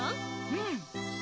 うん。